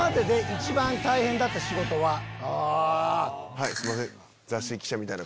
はいすいません。